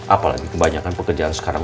apalagi kebanyakan pekerjaan sekarang